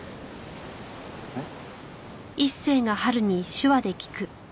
えっ？